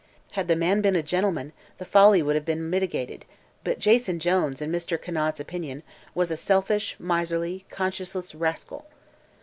Had the man been a gentleman, the folly would have been mitigated, but Jason Jones, in Mr. Conant's opinion, was a selfish, miserly, conscienceless rascal.